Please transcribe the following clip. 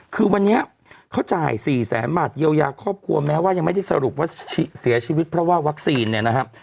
คือวันนี้เขาจ่ายสี่แสนบาทเยียวยาครอบครัวแม้ว่ายังไม่ได้สรุปว่าเสียชีวิตเพราะว่าวัคซีนเนี่ยนะครับ